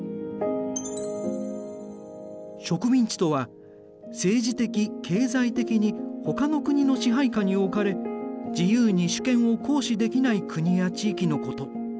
植民地とは政治的・経済的にほかの国の支配下に置かれ自由に主権を行使できない国や地域のこと。